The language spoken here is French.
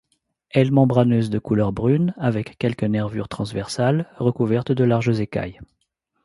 Ailes membraneuses de couleur brune avec quelques nervures transversales, recouvertes de larges écailles.